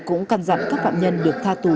cũng căn dặn các phạm nhân được tha tù